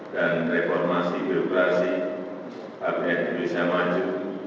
dan reformasi bidokrasi kabinet indonesia maju